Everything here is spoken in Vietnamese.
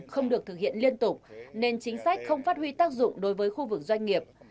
không được thực hiện liên tục nên chính sách không phát huy tác dụng đối với khu vực doanh nghiệp